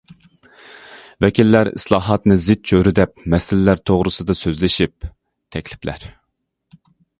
ۋەكىللەر ئىسلاھاتنى زىچ چۆرىدەپ مەسىلىلەر توغرىسىدا سۆزلىشىپ، تەكلىپلەر.